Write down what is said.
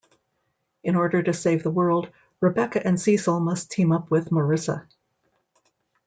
In order to save the world, Rebecca and Cecil must team up with Marissa.